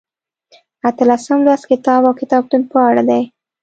اتلسم لوست کتاب او کتابتون په اړه دی.